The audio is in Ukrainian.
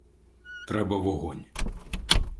— Треба вогонь.